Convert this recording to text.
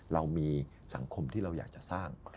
เรามีสังคมที่เราอยากจะสร้าง